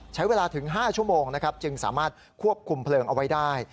ใช้เวลาถึง๕ชั่วโมงนะครับจึงสามารถควบคุมเพลิงเอาไว้ได้